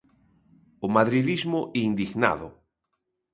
O madridismo, indignado.